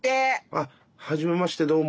あっはじめましてどうも。